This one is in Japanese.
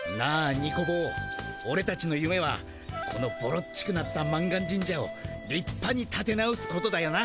ニコ坊オレたちのゆめはこのボロっちくなった満願神社をりっぱにたて直すことだよな。